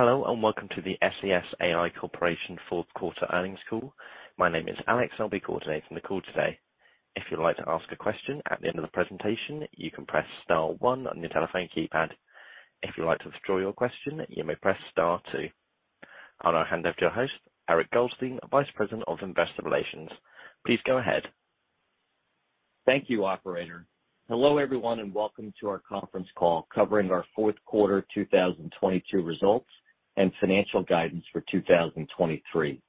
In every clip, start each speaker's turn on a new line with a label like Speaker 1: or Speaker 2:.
Speaker 1: Hello, and welcome to the SES AI Corporation fourth quarter earnings call. My name is Alex, I'll be coordinating the call today. If you'd like to ask a question at the end of the presentation, you can press star one on your telephone keypad. If you'd like to withdraw your question, you may press star two. I'll now hand over to your host, Eric Goldstein, Vice President of Investor Relations. Please go ahead.
Speaker 2: Thank you, operator. Hello, everyone, and welcome to our conference call covering our fourth quarter 2022 results and financial guidance for 2023.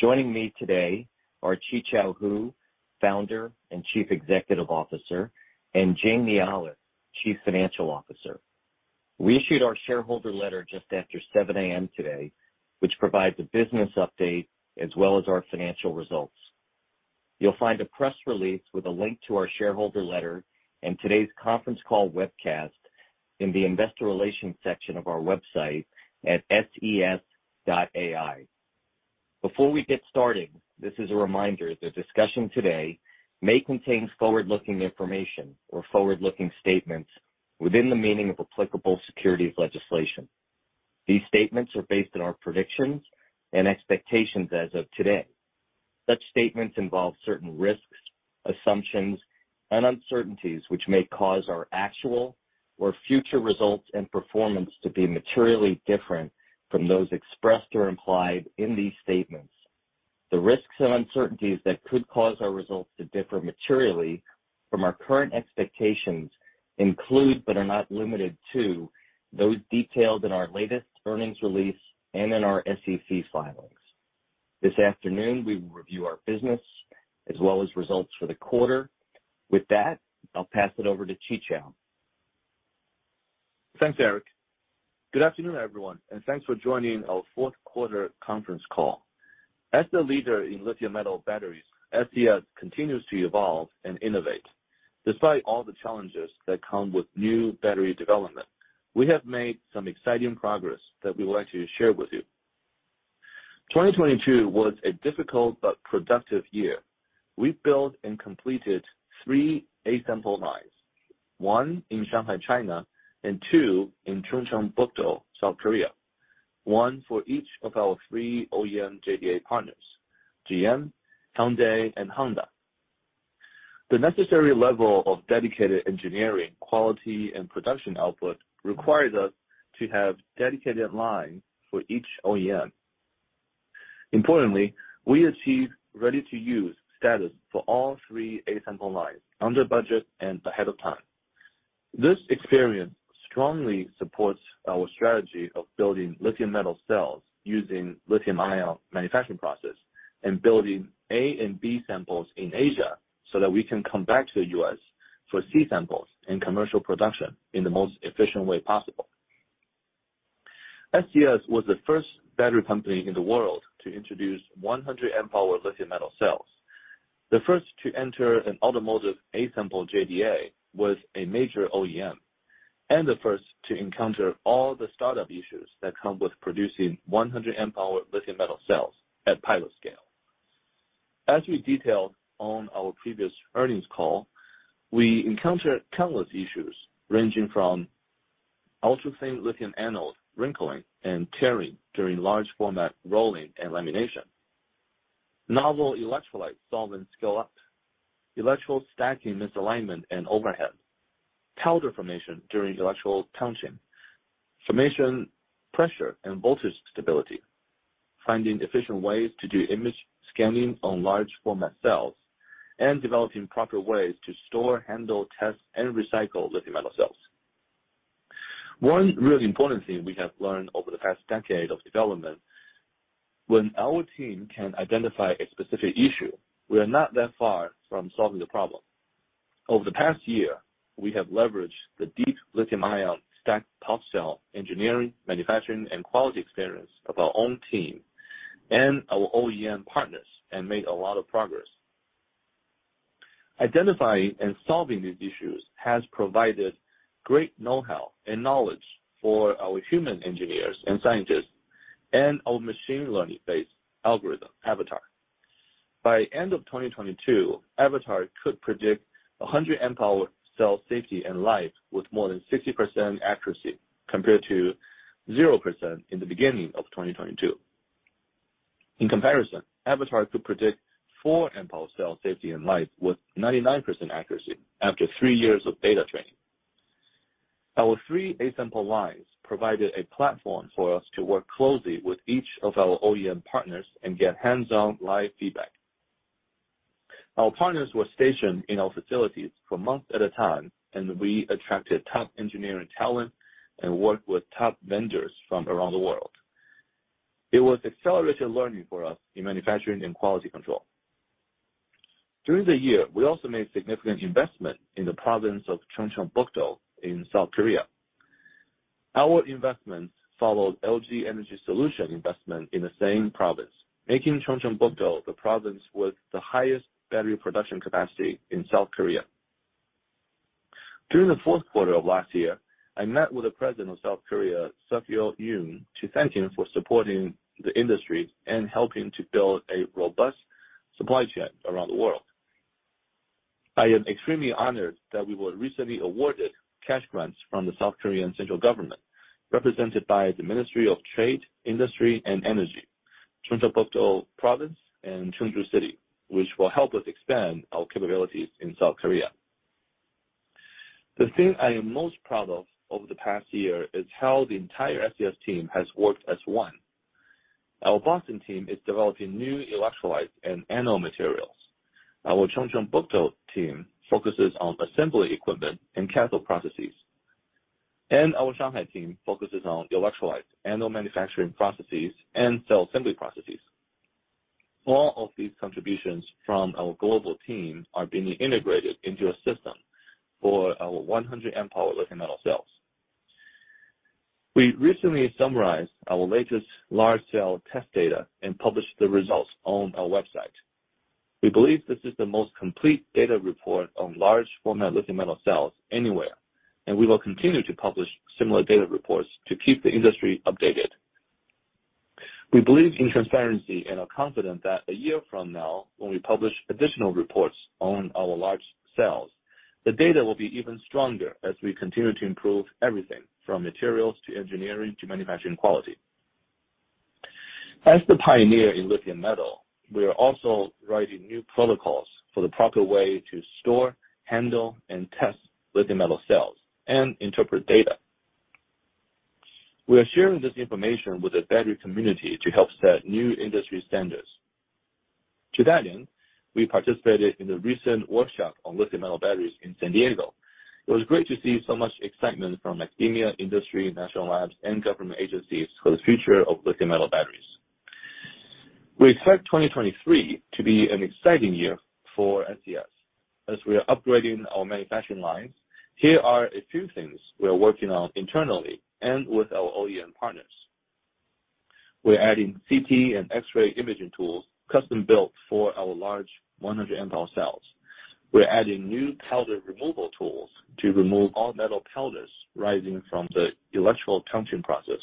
Speaker 2: Joining me today are Qichao Hu, Founder and Chief Executive Officer, and Jing Nealis, Chief Financial Officer. We issued our shareholder letter just after 7:00 A.M. today, which provides a business update as well as our financial results. You'll find a press release with a link to our shareholder letter and today's conference call webcast in the investor relations section of our website at ses.ai. Before we get started, this is a reminder that discussion today may contain forward-looking information or forward-looking statements within the meaning of applicable securities legislation. These statements are based on our predictions and expectations as of today. Such statements involve certain risks, assumptions, and uncertainties which may cause our actual or future results and performance to be materially different from those expressed or implied in these statements. The risks and uncertainties that could cause our results to differ materially from our current expectations include, but are not limited to, those detailed in our latest earnings release and in our SEC filings. This afternoon, we will review our business as well as results for the quarter. With that, I'll pass it over to Qichao.
Speaker 3: Thanks, Eric. Good afternoon, everyone, and thanks for joining our fourth quarter conference call. As the leader in lithium metal batteries, SES continues to evolve and innovate. Despite all the challenges that come with new battery development, we have made some exciting progress that we would like to share with you. 2022 was a difficult but productive year. We built and completed three A-sample lines, one in Shanghai, China, and two in Chungcheongbuk-do, South Korea, one for each of our three OEM JDA partners, GM, Hyundai, and Honda. The necessary level of dedicated engineering, quality, and production output requires us to have dedicated line for each OEM. Importantly, we achieved ready-to-use status for all three A-sample lines under budget and ahead of time. This experience strongly supports our strategy of building lithium-metal cells using lithium-ion manufacturing process and building A-sample and B-sample in Asia so that we can come back to the U.S. for C-sample in commercial production in the most efficient way possible. SES was the first battery company in the world to introduce 100 Ah lithium-metal cells. The first to enter an automotive A-sample JDA with a major OEM, and the first to encounter all the startup issues that come with producing 100 Ah lithium-metal cells at pilot scale. As we detailed on our previous earnings call, we encountered countless issues, ranging from ultra thin lithium anodes wrinkling and tearing during large format rolling and lamination, novel electrolyte solvents collapse, electrode stacking misalignment and overhead, powder formation during electrode coating, formation pressure and voltage stability, finding efficient ways to do image scanning on large format cells, and developing proper ways to store, handle, test, and recycle lithium metal cells. One really important thing we have learned over the past decade of development, when our team can identify a specific issue, we are not that far from solving the problem. Over the past year, we have leveraged the deep lithium-ion stacked top cell engineering, manufacturing, and quality experience of our own team and our OEM partners and made a lot of progress. Identifying and solving these issues has provided great know-how and knowledge for our human engineers and scientists and our machine learning-based algorithm, Avatar. By end of 2022, Avatar could predict 100 Ah cell safety and life with more than 60% accuracy, compared to 0% in the beginning of 2022. In comparison, Avatar could predict 4 Ah cell safety and life with 99% accuracy after three years of data training. Our three A-sample lines provided a platform for us to work closely with each of our OEM partners and get hands-on live feedback. Our partners were stationed in our facilities for months at a time. We attracted top engineering talent and worked with top vendors from around the world. It was accelerated learning for us in manufacturing and quality control. During the year, we also made significant investment in the province of Chungcheongbuk-do in South Korea. Our investments followed LG Energy Solution investment in the same province, making Chungcheongbuk-do the province with the highest battery production capacity in South Korea. During the fourth quarter of last year, I met with the President of South Korea, Suk-yeol Yoon, to thank him for supporting the industry and helping to build a robust supply chain around the world. I am extremely honored that we were recently awarded cash grants from the South Korean central government, represented by the Ministry of Trade, Industry and Energy, Chungcheongbuk-do Province and Chungju City, which will help us expand our capabilities in South Korea. The thing I am most proud of over the past year is how the entire SES team has worked as one. Our Boston team is developing new electrolytes and anode materials. Our Chungcheongbuk-do team focuses on assembly equipment and cathode processes. Our Shanghai team focuses on electrolytes, anode manufacturing processes, and cell assembly processes. All of these contributions from our global team are being integrated into a system for our 100 Ah lithium metal cells. We recently summarized our latest large cell test data and published the results on our website. We believe this is the most complete data report on large format lithium metal cells anywhere, and we will continue to publish similar data reports to keep the industry updated. We believe in transparency and are confident that a year from now, when we publish additional reports on our large cells, the data will be even stronger as we continue to improve everything from materials to engineering to manufacturing quality. As the pioneer in lithium metal, we are also writing new protocols for the proper way to store, handle, and test lithium metal cells and interpret data. We are sharing this information with the battery community to help set new industry standards. To that end, we participated in the recent workshop on lithium metal batteries in San Diego. It was great to see so much excitement from academia, industry, national labs, and government agencies for the future of lithium metal batteries. We expect 2023 to be an exciting year for SES as we are upgrading our manufacturing lines. Here are a few things we are working on internally and with our OEM partners. We're adding CT and X-ray imaging tools custom built for our large 100 Ah cells. We're adding new powder removal tools to remove all metal powders rising from the electrical punching process.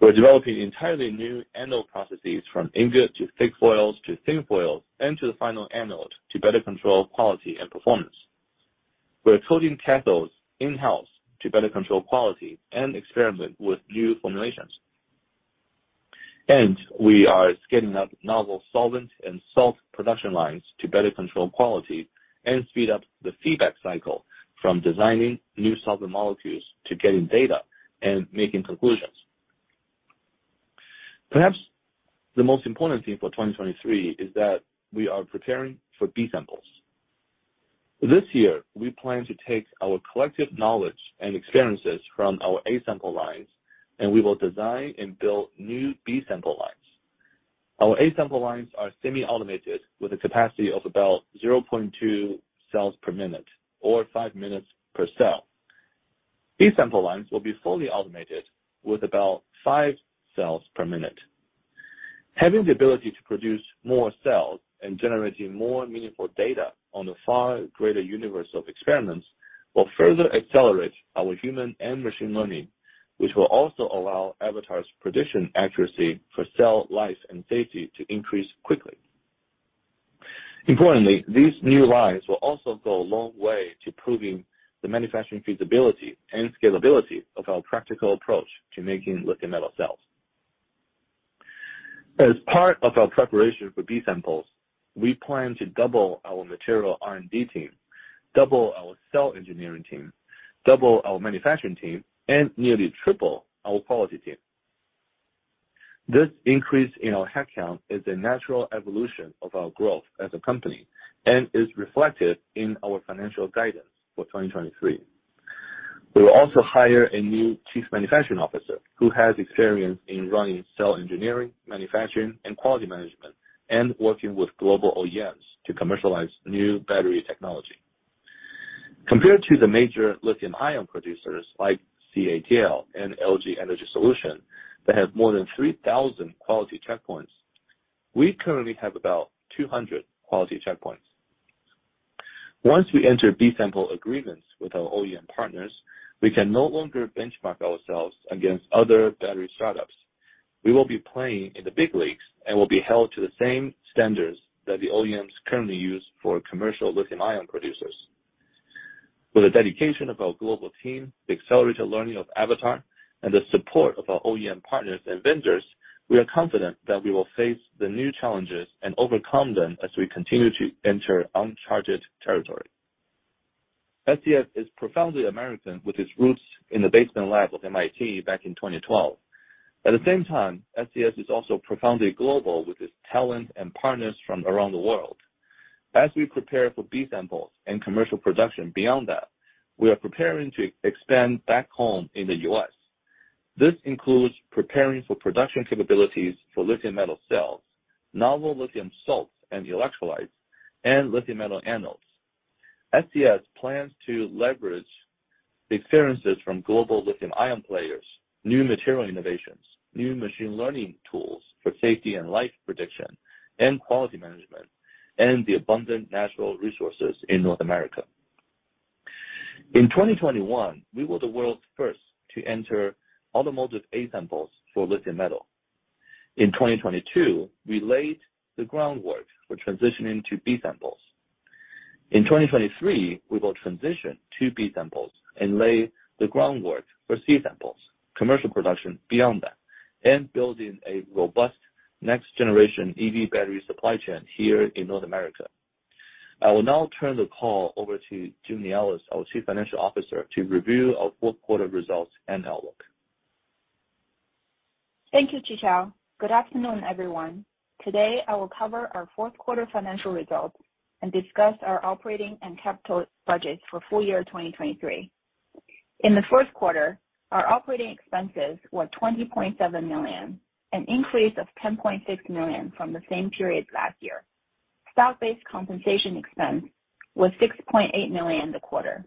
Speaker 3: We're developing entirely new anode processes, from ingot, to thick foils, to thin foils, and to the final anode to better control quality and performance. We're coding cathodes in-house to better control quality and experiment with new formulations. We are scaling up novel solvent and salt production lines to better control quality and speed up the feedback cycle from designing new solvent molecules to getting data and making conclusions. Perhaps the most important thing for 2023 is that we are preparing for B-samples. This year, we plan to take our collective knowledge and experiences from our A-sample lines, and we will design and build new B-sample lines. Our A-sample lines are semi-automated with a capacity of about 0.2 cells per minute or five minutes per cell. B-sample lines will be fully automated with about five cells per minute. Having the ability to produce more cells and generating more meaningful data on a far greater universe of experiments will further accelerate our human and machine learning, which will also allow Avatar's prediction accuracy for cell life and safety to increase quickly. Importantly, these new lines will also go a long way to proving the manufacturing feasibility and scalability of our practical approach to making lithium metal cells. As part of our preparation for B-samples, we plan to double our material R&D team, double our cell engineering team, double our manufacturing team, and nearly triple our quality team. This increase in our headcount is a natural evolution of our growth as a company and is reflected in our financial guidance for 2023. We will also hire a new chief manufacturing officer who has experience in running cell engineering, manufacturing and quality management, and working with global OEMs to commercialize new battery technology. Compared to the major lithium-ion producers like CATL and LG Energy Solution that have more than 3,000 quality checkpoints, we currently have about 200 quality checkpoints. Once we enter B-sample agreements with our OEM partners, we can no longer benchmark ourselves against other battery startups. We will be playing in the big leagues and will be held to the same standards that the OEMs currently use for commercial lithium-ion producers. With the dedication of our global team, the accelerated learning of Avatar, and the support of our OEM partners and vendors, we are confident that we will face the new challenges and overcome them as we continue to enter uncharted territory. SES is profoundly American, with its roots in the basement lab of MIT back in 2012. At the same time, SES is also profoundly global with its talent and partners from around the world. As we prepare for B-samples and commercial production beyond that, we are preparing to expand back home in the U.S. This includes preparing for production capabilities for lithium metal cells, novel lithium salts and electrolytes, and lithium metal anodes. SES plans to leverage the experiences from global lithium-ion players, new material innovations, new machine learning tools for safety and life prediction and quality management, and the abundant natural resources in North America. In 2021, we were the world's first to enter automotive A-samples for lithium metal. In 2022, we laid the groundwork for transitioning to B-samples. In 2023, we will transition to B-samples and lay the groundwork for C-samples, commercial production beyond that, and building a robust next generation EV battery supply chain here in North America. I will now turn the call over to Jing Nealis, our Chief Financial Officer, to review our fourth quarter results and outlook.
Speaker 4: Thank you, Qichao. Good afternoon, everyone. Today, I will cover our fourth quarter financial results and discuss our operating and capital budgets for full year 2023. In the first quarter, our operating expenses were $20.7 million, an increase of $10.6 million from the same period last year. Stock-based compensation expense was $6.8 million in the quarter.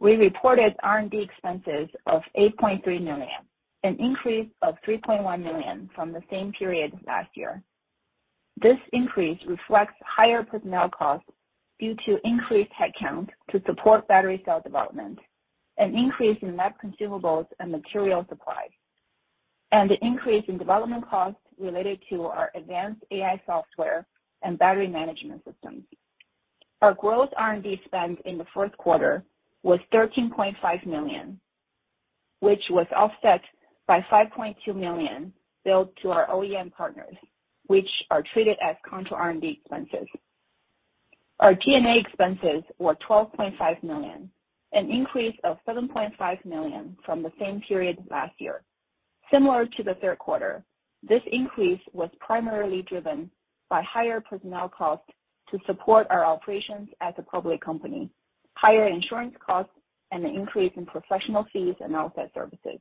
Speaker 4: We reported R&D expenses of $8.3 million, an increase of $3.1 million from the same period last year. This increase reflects higher personnel costs due to increased head count to support battery cell development, an increase in lab consumables and material supply, and an increase in development costs related to our advanced AI software and battery management systems. Our growth R&D spend in the fourth quarter was $13.5 million, which was offset by $5.2 million billed to our OEM partners, which are treated as contra-R&D expenses. Our G&A expenses were $12.5 million, an increase of $7.5 million from the same period last year. Similar to the third quarter, this increase was primarily driven by higher personnel costs to support our operations as a public company, higher insurance costs, and an increase in professional fees and outside services.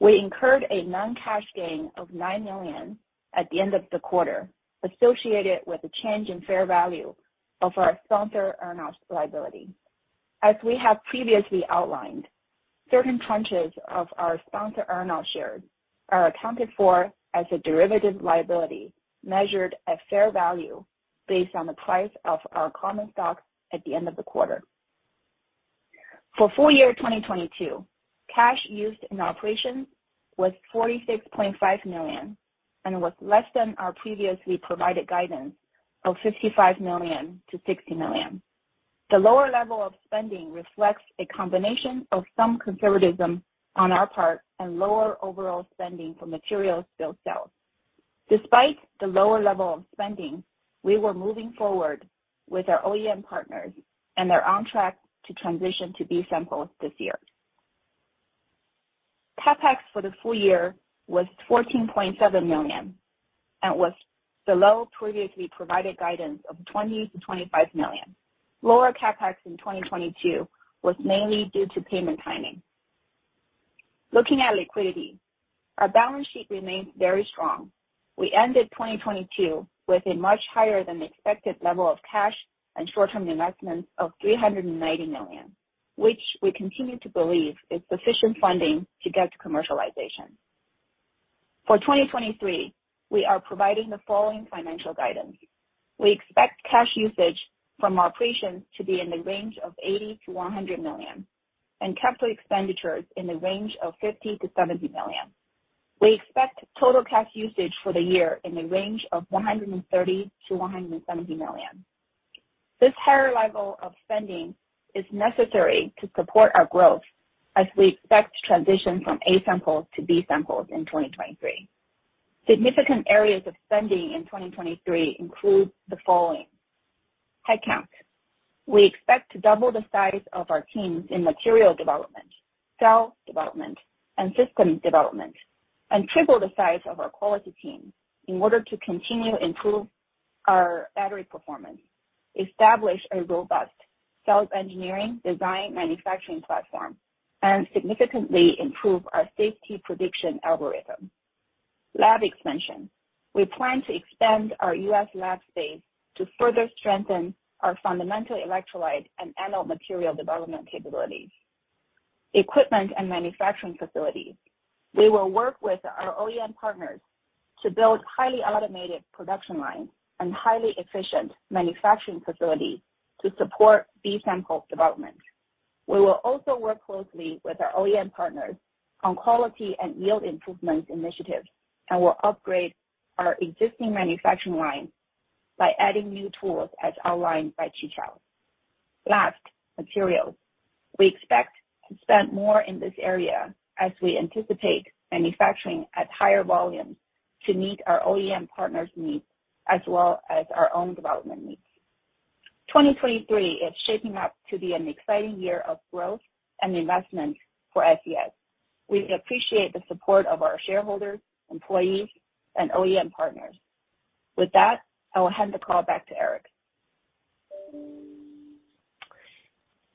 Speaker 4: We incurred a non-cash gain of $9 million at the end of the quarter, associated with a change in fair value of our sponsor earnout liability. As we have previously outlined, certain tranches of our sponsor earnout shares are accounted for as a derivative liability measured at fair value based on the price of our common stock at the end of the quarter. For full year 2022, cash used in our operations was $46.5 million, and was less than our previously provided guidance of $55 million-$60 million. The lower level of spending reflects a combination of some conservatism on our part and lower overall spending for bill of materials. Despite the lower level of spending, we were moving forward with our OEM partners, and they're on track to transition to B-samples this year. CapEx for the full year was $14.7 million and was below previously provided guidance of $20 million-$25 million. Lower CapEx in 2022 was mainly due to payment timing. Looking at liquidity, our balance sheet remains very strong. We ended 2022 with a much higher than expected level of cash and short-term investments of $390 million, which we continue to believe is sufficient funding to get to commercialization. For 2023, we are providing the following financial guidance. We expect cash usage from operations to be in the range of $80 million-$100 million, and CapEx in the range of $50 million-$70 million. We expect total cash usage for the year in the range of $130 million-$170 million. This higher level of spending is necessary to support our growth as we expect to transition from A-samples to B-samples in 2023. Significant areas of spending in 2023 include the following. Headcount. We expect to double the size of our teams in material development, cell development, and systems development, and triple the size of our quality team in order to continue improve our battery performance, establish a robust cell engineering design manufacturing platform, and significantly improve our safety prediction algorithm. Lab expansion. We plan to expand our U.S. lab space to further strengthen our fundamental electrolyte and anode material development capabilities. Equipment and manufacturing facilities. We will work with our OEM partners to build highly automated production lines and highly efficient manufacturing facilities to support B-samples development. We will also work closely with our OEM partners on quality and yield improvement initiatives and will upgrade our existing manufacturing lines by adding new tools as outlined by Qichao. Materials. We expect to spend more in this area as we anticipate manufacturing at higher volumes to meet our OEM partners' needs as well as our own development needs. 2023 is shaping up to be an exciting year of growth and investment for SES. We appreciate the support of our shareholders, employees, and OEM partners. With that, I will hand the call back to Eric.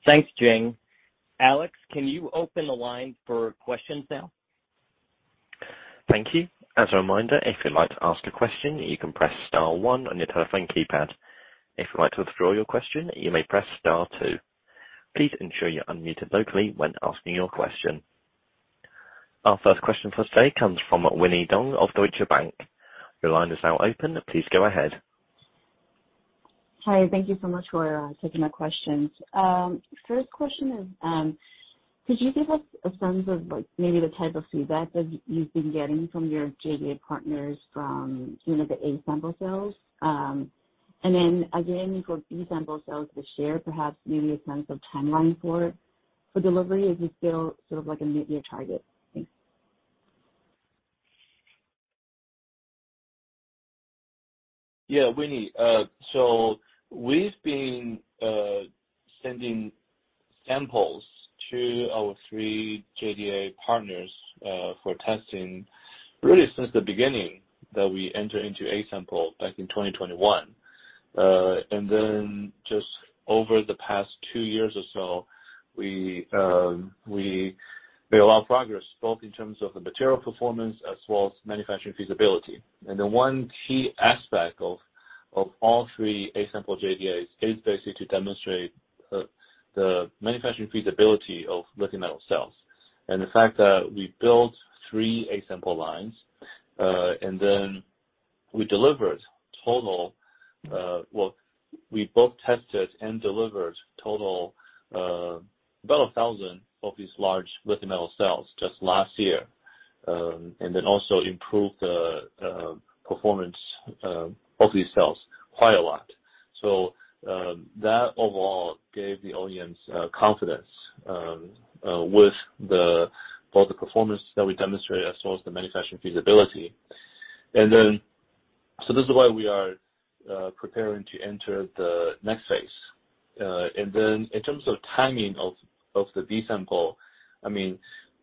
Speaker 2: Thanks, Jing. Alex, can you open the line for questions now?
Speaker 1: Thank you. As a reminder, if you'd like to ask a question, you can press star one on your telephone keypad. If you'd like to withdraw your question, you may press star two. Please ensure you unmute it locally when asking your question. Our first question for today comes from Winnie Dong of Deutsche Bank. Your line is now open. Please go ahead.
Speaker 5: Hi, thank you so much for taking my questions. First question is, could you give us a sense of, like, maybe the type of feedback that you've been getting from your JDA partners from, you know, the A-sample cells? Again, for B-sample cells this year, perhaps maybe a sense of timeline for it. For delivery, is it still sort of like a midyear target? Thanks.
Speaker 3: Winnie. We've been sending samples to our three JDA partners for testing really since the beginning that we entered into A-sample back in 2021. Just over the past two years or so, we made a lot of progress, both in terms of the material performance as well as manufacturing feasibility. The one key aspect of all three A-sample JDAs is basically to demonstrate the manufacturing feasibility of lithium metal cells. The fact that we built three A-sample lines, we both tested and delivered total about 1,000 of these large lithium metal cells just last year, also improved the performance of these cells quite a lot. That overall gave the audience confidence with the, both the performance that we demonstrated as well as the manufacturing feasibility. This is why we are preparing to enter the next phase. In terms of timing of the B-sample, I mean,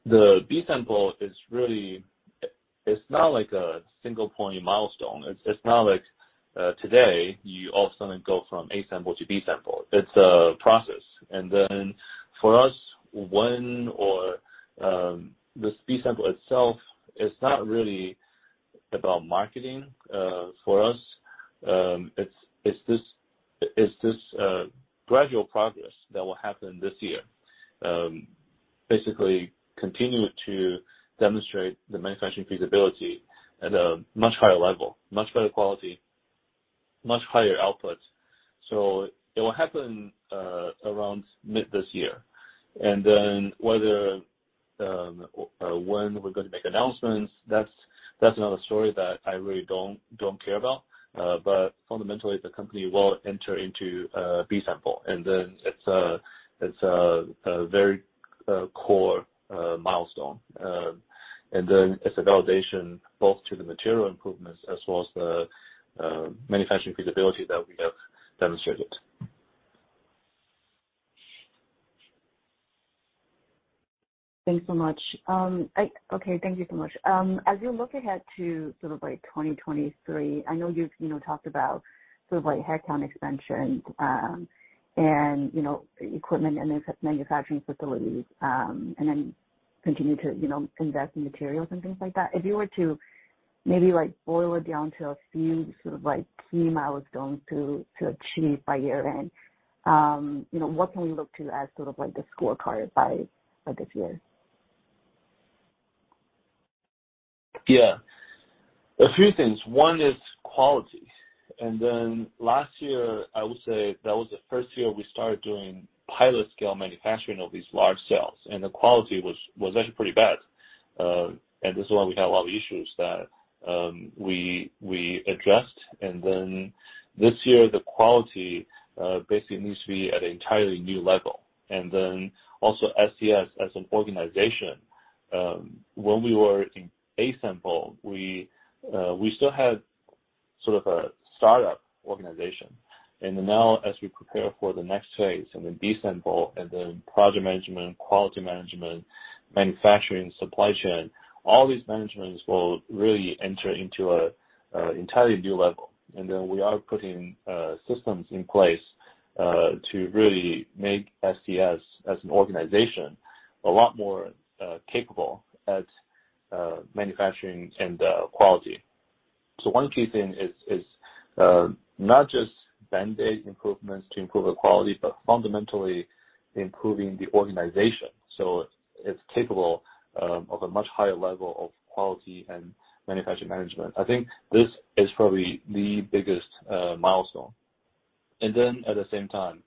Speaker 3: the B-sample is really. It's not like a single point milestone. It's not like today you all of a sudden go from A-sample to B-sample. It's a process. For us, when or, this B-sample itself is not really about marketing for us. It's this, it's this gradual progress that will happen this year. Basically continue to demonstrate the manufacturing feasibility at a much higher level, much better quality, much higher outputs. It will happen around mid this year. Whether or when we're gonna make announcements, that's another story that I really don't care about. Fundamentally, the company will enter into B-sample, and then it's a very core milestone. It's a validation both to the material improvements as well as the manufacturing feasibility that we have demonstrated.
Speaker 5: Thanks so much. Okay, thank you so much. As you look ahead to sort of like 2023, I know you've, you know, talked about sort of like headcount expansion, and, you know, equipment and manufacturing facilities, and then continue to, you know, invest in materials and things like that. If you were to maybe, like, boil it down to a few sort of like key milestones to achieve by year-end, you know, what can we look to as sort of like the scorecard by this year?
Speaker 3: Yeah. A few things. One is quality. Last year, I would say that was the first year we started doing pilot scale manufacturing of these large cells, and the quality was actually pretty bad. This is why we had a lot of issues that we addressed. This year, the quality basically needs to be at an entirely new level. Also SES as an organization, when we were in A-sample, we still had sort of a startup organization. Now as we prepare for the next phase in the B-sample and then project management, quality management, manufacturing, supply chain, all these managements will really enter into an entirely new level. We are putting systems in place to really make SES as an organization a lot more capable at manufacturing and quality. One key thing is not just band-aid improvements to improve the quality, but fundamentally improving the organization so it's capable of a much higher level of quality and manufacturing management. I think this is probably the biggest milestone. At the same time,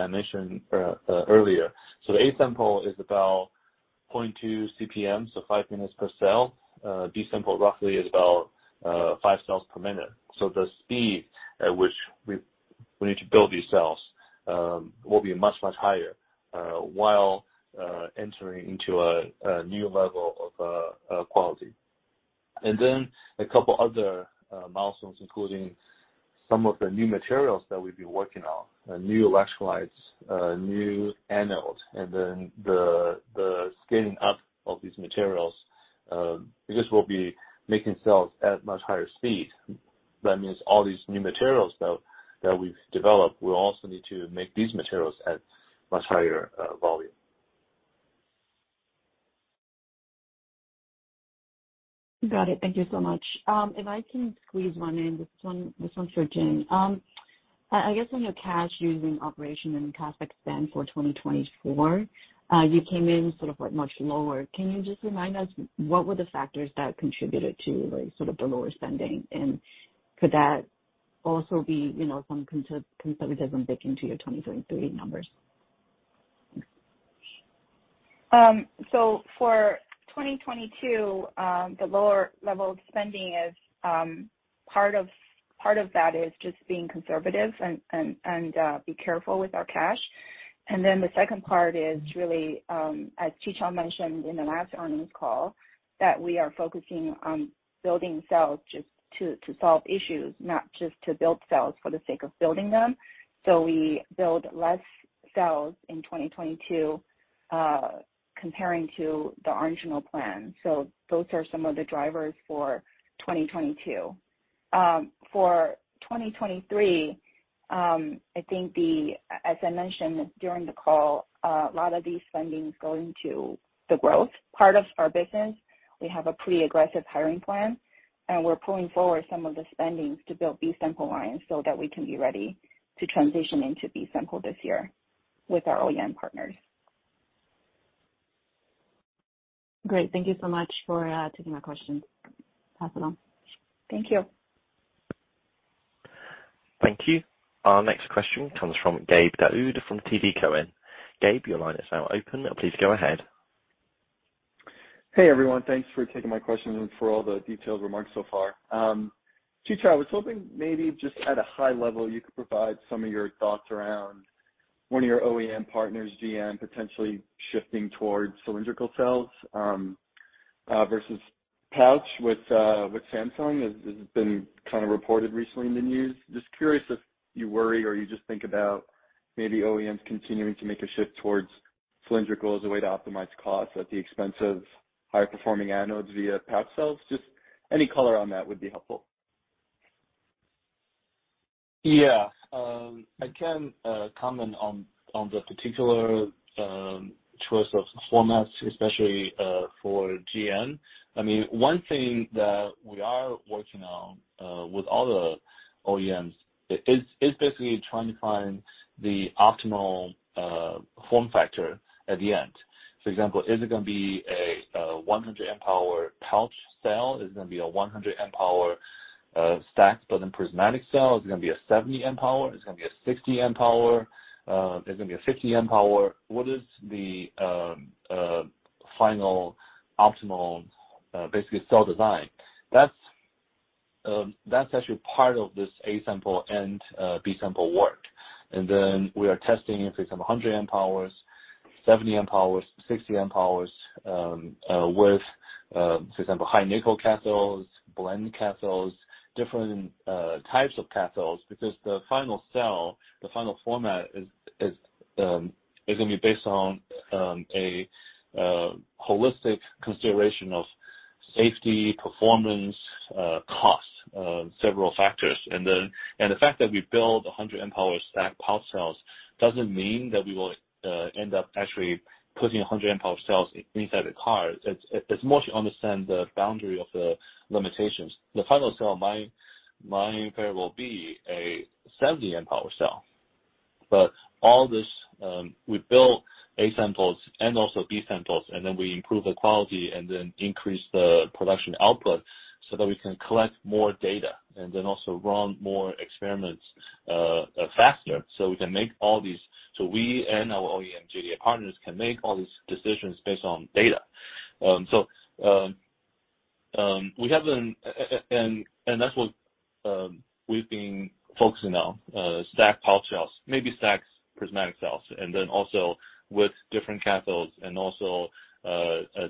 Speaker 3: I mentioned earlier, the A-sample is about 0.2 CPMs, so five minutes per cell. B-sample roughly is about five cells per minute. The speed at which we need to build these cells will be much, much higher while entering into a new level of quality. A couple other milestones, including some of the new materials that we've been working on, new electrolytes, new anodes, and then the scaling up of these materials. Because we'll be making cells at much higher speed, that means all these new materials that we've developed, we'll also need to make these materials at much higher volume.
Speaker 5: Got it. Thank you so much. If I can squeeze one in, this one's for Jing. I guess on your cash using operation and the cash expense for 2024, you came in sort of like much lower. Can you just remind us what were the factors that contributed to like sort of the lower spending? Could that also be, you know, some conservatism baked into your 2023 numbers?
Speaker 4: For 2022, the lower level of spending is part of that is just being conservative and be careful with our cash. The second part is really as Qichao mentioned in the last earnings call, that we are focusing on building cells just to solve issues, not just to build cells for the sake of building them. We build less cells in 2022 comparing to the original plan. Those are some of the drivers for 2022. For 2023, I think as I mentioned during the call, a lot of these fundings go into the growth part of our business. We have a pretty aggressive hiring plan. We're pulling forward some of the spendings to build B-sample lines so that we can be ready to transition into B-sample this year with our OEM partners.
Speaker 5: Great. Thank you so much for taking my question. Pass it on.
Speaker 4: Thank you.
Speaker 1: Thank you. Our next question comes from Gabe Daoud from TD Cowen. Gabe, your line is now open. Please go ahead.
Speaker 6: Hey, everyone. Thanks for taking my question and for all the detailed remarks so far. Qichao, I was hoping maybe just at a high level, you could provide some of your thoughts around one of your OEM partners, GM, potentially shifting towards cylindrical cells, versus pouch with Samsung. Has been kinda reported recently in the news. Just curious if you worry or you just think about maybe OEMs continuing to make a shift towards cylindrical as a way to optimize costs at the expense of higher performing anodes via pouch cells. Just any color on that would be helpful.
Speaker 3: I can comment on the particular choice of formats, especially for GM. One thing that we are working on with all the OEMs is basically trying to find the optimal form factor at the end. For example, is it gonna be a 100 Ah pouch cell? Is it gonna be a 100 Ah stack, but then prismatic cell? Is it gonna be a 70 Ah? Is it gonna be a 60 Ah? Is it gonna be a 50 Ah? What is the final optimal basically cell design? That's actually part of this A-sample and B-sample work. We are testing, for example, 100 Ah, 70 Ah, 60 Ah with, for example, high-nickel cathodes, blended cathodes, different types of cathodes. Because the final cell, the final format is going to be based on a holistic consideration of safety, performance, cost, several factors. The fact that we build 100 Ah stacked pouch cells doesn't mean that we will end up actually putting 100 Ah cells inside the car. It's more to understand the boundary of the limitations. The final cell might very well be a 70 Ah cell. All this, we build A-samples and also B-samples, and then we improve the quality and then increase the production output so that we can collect more data and then also run more experiments faster. We and our OEM JDA partners can make all these decisions based on data. We haven't. And that's what we've been focusing on, stacked pouch cells, maybe stacked prismatic cells, and then also with different cathodes and also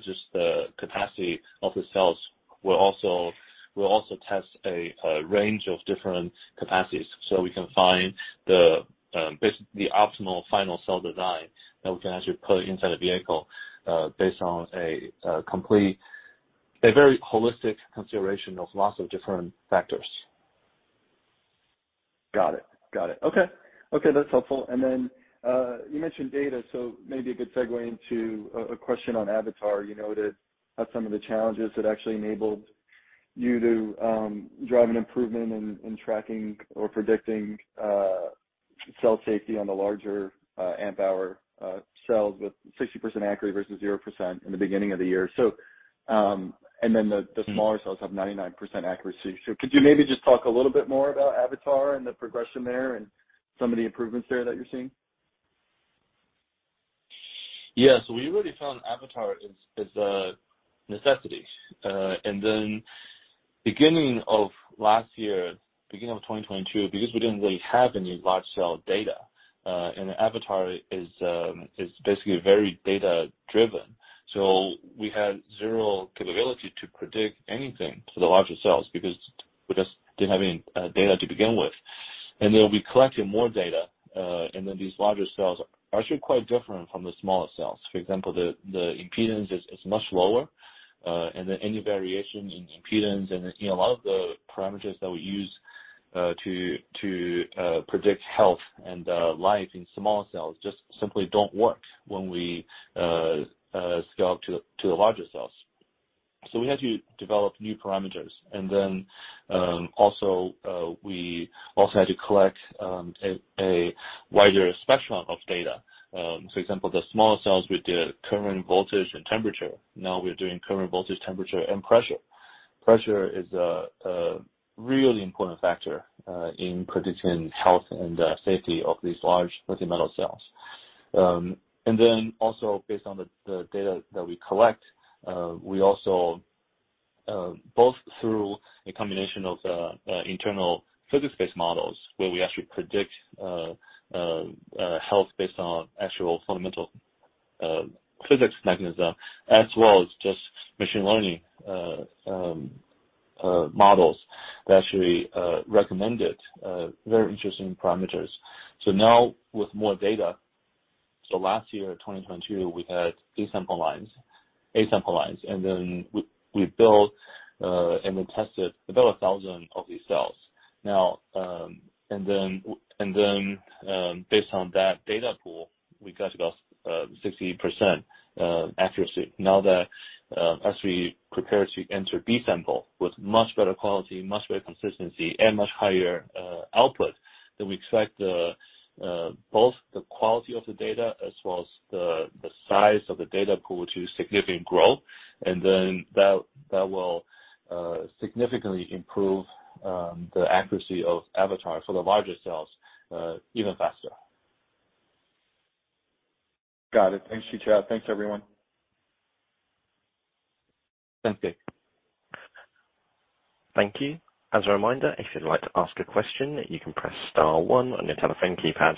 Speaker 3: just the capacity of the cells. We'll also test a range of different capacities, so we can find the optimal final cell design that we can actually put inside a vehicle, based on a complete, a very holistic consideration of lots of different factors.
Speaker 6: Got it. Okay, that's helpful. Then, you mentioned data, so maybe a good segue into a question on Avatar. You noted some of the challenges that actually enabled you to drive an improvement in tracking or predicting cell safety on the larger amp hour cells with 60% accuracy versus 0% in the beginning of the year. Then the smaller cells have 99% accuracy. Could you maybe just talk a little bit more about Avatar and the progression there and some of the improvements there that you're seeing?
Speaker 3: Yes. We really found Avatar is a necessity. Beginning of last year, beginning of 2022, because we didn't really have any large cell data, and Avatar is basically very data-driven, so we had zero capability to predict anything to the larger cells because we just didn't have any data to begin with. We collected more data, and these larger cells are actually quite different from the smaller cells. For example, the impedance is much lower, and any variation in impedance and, you know, a lot of the parameters that we use to predict health and life in small cells just simply don't work when we scale up to the larger cells. We had to develop new parameters. Also, we also had to collect a wider spectrum of data. For example, the smaller cells with the current voltage and temperature. Now we're doing current voltage, temperature, and pressure. Pressure is a really important factor in predicting health and safety of these large lithium metal cells. Also based on the data that we collect, we also both through a combination of internal physics-based models where we actually predict health based on actual fundamental physics mechanism, as well as just machine learning models that actually recommended very interesting parameters. Now with more data, last year, in 2022, we had A-sample lines, we built and we tested about 1,000 of these cells. Based on that data pool, we got about 60% accuracy. As we prepare to enter B-sample with much better quality, much better consistency, and much higher output, we expect both the quality of the data as well as the size of the data pool to significant growth. That will significantly improve the accuracy of Avatar for the larger cells even faster.
Speaker 6: Got it. Thanks, Qichao. Thanks, everyone.
Speaker 3: Thank you.
Speaker 1: Thank you. As a reminder, if you'd like to ask a question, you can press star one on your telephone keypad.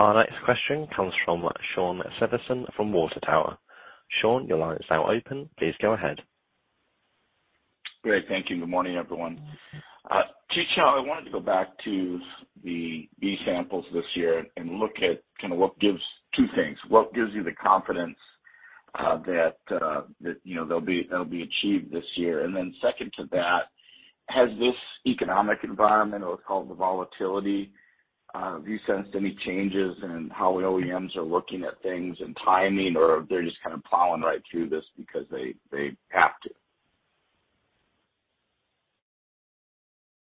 Speaker 1: Our next question comes from Shawn Severson from Water Tower. Shawn, your line is now open. Please go ahead.
Speaker 7: Great. Thank you. Good morning, everyone. Qichao, I wanted to go back to the B-samples this year and look at kind of two things, what gives you the confidence that, you know, they'll be achieved this year. Second to that, has this economic environment or call it the volatility, have you sensed any changes in how OEMs are looking at things and timing, or they're just kind of plowing right through this because they have to?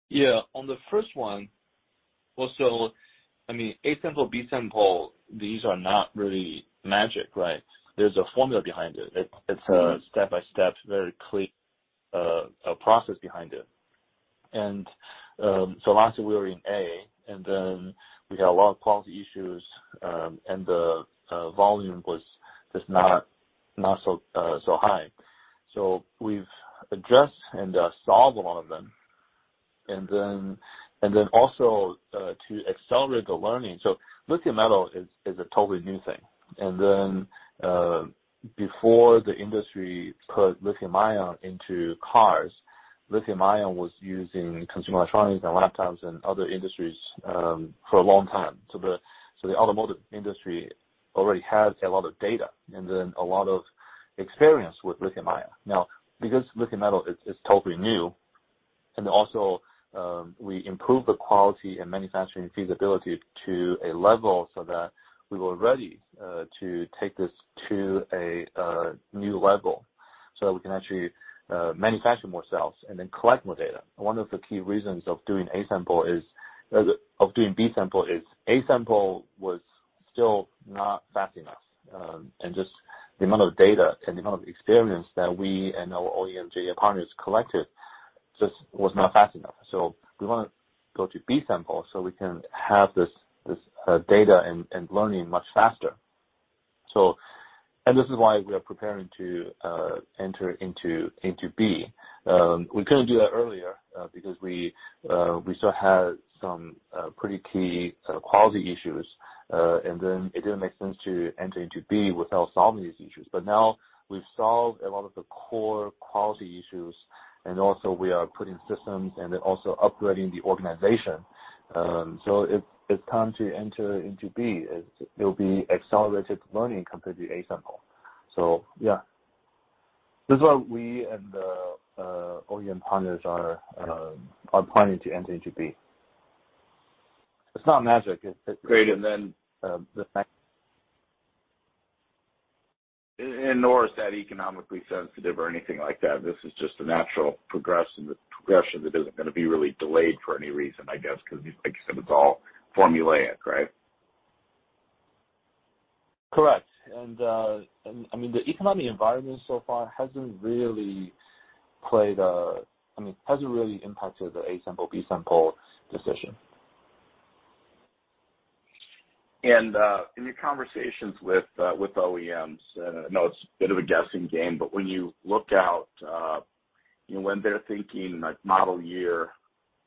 Speaker 3: Yeah. On the first one, well, I mean, A-sample, B-sample, these are not really magic, right? There's a formula behind it. It's a step-by-step, very clear process behind it. Last year we were in A, we had a lot of quality issues, the volume was just not so high. We've addressed and solved a lot of them. Also, to accelerate the learning. Lithium metal is a totally new thing. Before the industry put lithium-ion into cars, lithium-ion was used in consumer electronics and laptops and other industries for a long time. The automotive industry already has a lot of data, a lot of experience with lithium-ion. Now, because lithium metal is totally new, and also, we improve the quality and manufacturing feasibility to a level so that we were ready to take this to a new level so that we can actually manufacture more cells and then collect more data. One of the key reasons of doing B-sample is A-sample was still not fast enough, and just the amount of data and the amount of experience that we and our OEM JV partners collected just was not fast enough. We wanna go to B-sample so we can have this data and learning much faster. This is why we are preparing to enter into B. We couldn't do that earlier, because we still had some pretty key sort of quality issues. Then it didn't make sense to enter into B-sample without solving these issues. Now we've solved a lot of the core quality issues and also we are putting systems and then also upgrading the organization. So it's time to enter into B-sample. It'll be accelerated learning compared to A-sample. Yeah, this is why we and the OEM partners are planning to enter into B-sample. It's not magic. It's.
Speaker 7: Great. And then-
Speaker 3: Um, the fact-
Speaker 7: Nor is that economically sensitive or anything like that. This is just a natural progression that isn't gonna be really delayed for any reason, I guess, because like you said, it's all formulaic, right?
Speaker 3: Correct. I mean, the economic environment so far hasn't really impacted the A-sample, B-sample decision.
Speaker 7: In your conversations with OEMs, I know it's a bit of a guessing game, but when you look out, you know, when they're thinking like model year,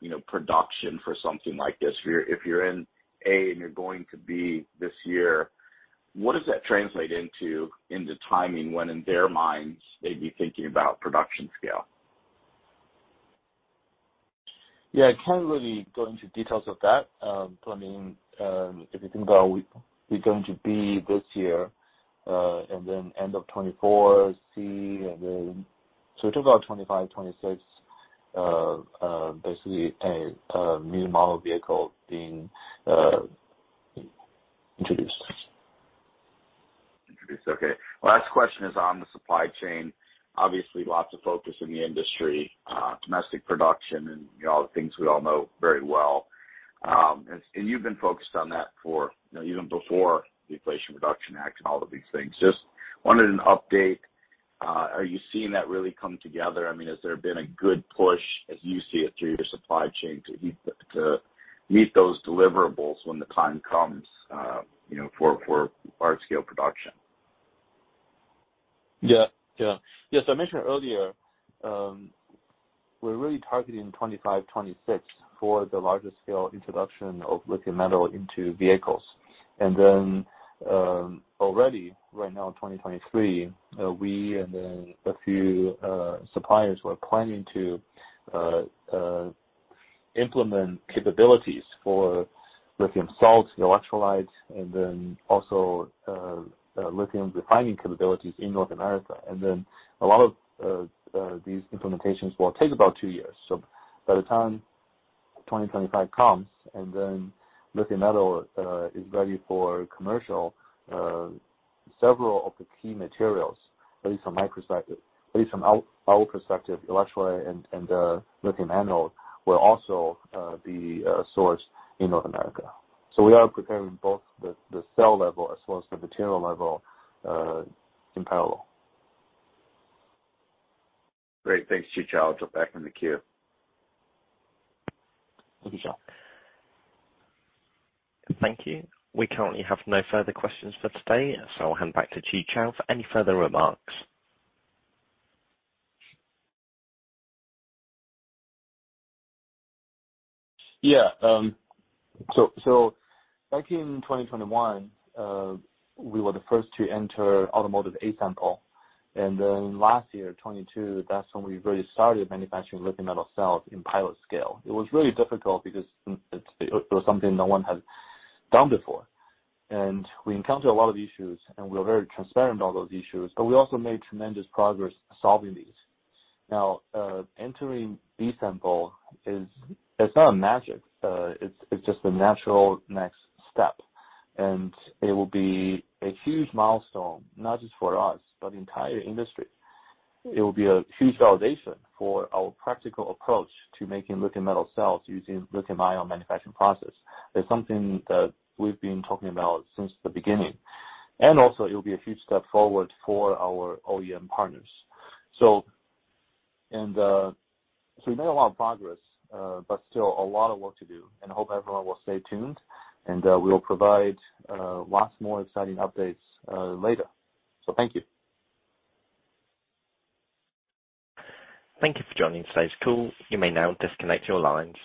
Speaker 7: you know, production for something like this, if you're in A and you're going to B this year, what does that translate into in the timing when in their minds they'd be thinking about production scale?
Speaker 3: Yeah. I can't really go into details of that. I mean, if you think about we're going to B this year, and then end of 2024, C. We talk about 2025, 2026, basically a new model vehicle being introduced.
Speaker 7: Introduced. Okay. Last question is on the supply chain. Obviously lots of focus in the industry, domestic production and, you know, all the things we all know very well. You've been focused on that for, you know, even before the Inflation Reduction Act and all of these things. Just wanted an update. Are you seeing that really come together? I mean, has there been a good push as you see it through your supply chain to meet those deliverables when the time comes, you know, for large scale production?
Speaker 3: Yes, I mentioned earlier, we're really targeting 2025, 2026 for the larger scale introduction of lithium metal into vehicles. Already right now in 2023, we and then a few suppliers were planning to implement capabilities for lithium salts, electrolytes, and then also lithium refining capabilities in North America. A lot of these implementations will take about two years. By the time 2025 comes, lithium metal is ready for commercial, several of the key materials, at least from my perspective, at least from our perspective, electrolyte and lithium anode will also be sourced in North America. We are preparing both the cell level as well as the material level in parallel.
Speaker 7: Great. Thanks, Qichao. I'll drop back in the queue.
Speaker 3: Thank you, sir.
Speaker 1: Thank you. We currently have no further questions for today, so I'll hand back to Qichao for any further remarks.
Speaker 3: Yeah. Back in 2021, we were the first to enter automotive A-sample. Last year, 2022, that's when we really started manufacturing lithium metal cells in pilot scale. It was really difficult because it was something no one has done before. We encountered a lot of issues, and we were very transparent on those issues, but we also made tremendous progress solving these. Now, entering B-sample, it's not a magic. It's just a natural next step, and it will be a huge milestone, not just for us, but the entire industry. It will be a huge validation for our practical approach to making lithium metal cells using lithium-ion manufacturing process. It's something that we've been talking about since the beginning. Also, it'll be a huge step forward for our OEM partners. We made a lot of progress, but still a lot of work to do. I hope everyone will stay tuned, and we'll provide lots more exciting updates later. Thank you.
Speaker 1: Thank you for joining today's call. You may now disconnect your lines.